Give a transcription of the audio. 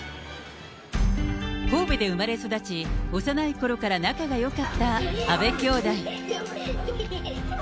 神戸で生まれ育ち、幼いころから仲がよかった阿部兄妹。